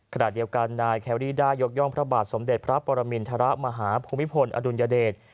ขณะเดียวกันนายแครรี่ได้ยกย่องพระบาทสมเด็จพระปรมินทรมาฮภูมิพลอดุลยเดช